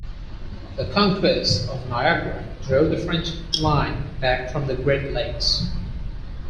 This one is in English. The conquest of Niagara drove the French line back from the Great Lakes.